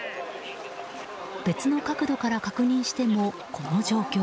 別の角度から確認してもこの状況。